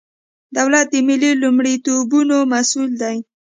دولت د ملي لومړیتوبونو مسئول دی.